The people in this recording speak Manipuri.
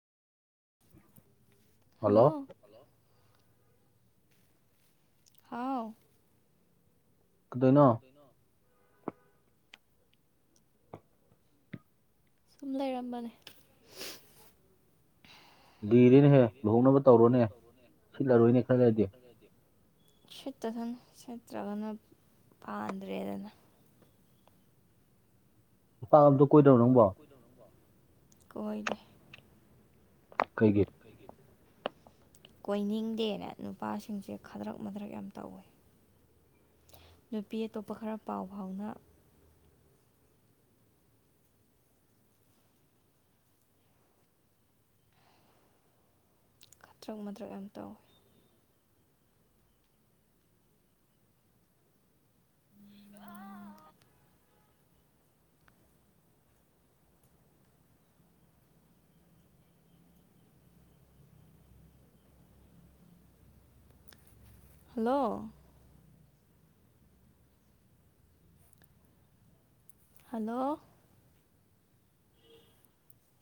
ꯍꯜꯂꯣ ꯍꯥꯎ ꯀꯩꯗꯩꯅꯣ ꯅꯣ ꯇꯨꯝ ꯂꯩꯔꯝꯕꯅꯦ ꯂꯤꯔꯦꯅꯦꯍꯦ ꯂꯨꯍꯣꯡꯅꯕ ꯇꯧꯔꯣꯅꯦ ꯁꯤꯠꯂꯔꯣꯏꯅꯦ ꯈꯔ ꯂꯩꯔꯗꯤ ꯁꯤꯠꯇꯥꯁꯅꯨ ꯁꯤꯠꯇ꯭ꯔꯥꯒꯅ ꯄꯥꯟꯗ꯭ꯔꯦꯗꯅ [unintelligible] ꯅꯨꯄꯥ ꯑꯝꯇꯥ ꯀꯣꯏꯗꯕ꯭ꯔꯣ ꯅꯪꯕꯣ ꯀꯣꯏꯗꯦ ꯀꯩꯒꯤ ꯀꯩꯒꯤ ꯀꯣꯏꯅꯤꯡꯗꯦꯅ ꯅꯨꯄꯥꯁꯤꯡꯁꯦ ꯈꯥꯗ꯭ꯔꯛ ꯃꯥꯗ꯭ꯔꯛ ꯌꯥꯝ ꯇꯧꯋꯦ ꯅꯨꯄꯤ ꯑꯇꯣꯞꯄ ꯈꯔ ꯄꯥꯎ ꯐꯥꯎꯅ ꯈꯥꯇ꯭ꯔꯛ ꯃꯥꯗ꯭ꯔꯛ ꯌꯥꯝ ꯇꯧ [unintelligible] ꯍꯜꯂꯣ ꯍꯜꯂꯣ